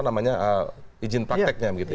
itu namanya ijin prakteknya